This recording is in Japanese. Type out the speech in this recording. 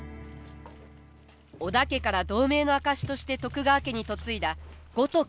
織田家から同盟の証しとして徳川家に嫁いだ五徳。